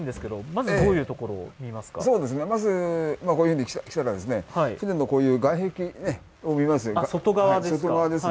まずこういうふうに来たら、船のこういう外壁を見ます。